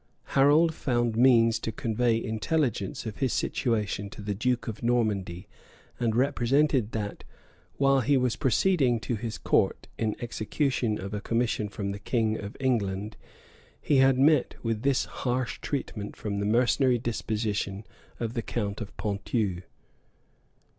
Harold found means to convey intelligence of his situation to the duke of Normandy; and represented that, while he was proceeding to his court, in execution of a commission from the king of England, he had met with this harsh treatment from the mercenary disposition of the count of Ponthieu.